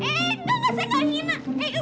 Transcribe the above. eh enggak enggak saya gak hina